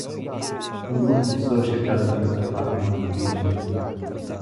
Um grupo de pessoas sentadas em um sofá tomando bebidas.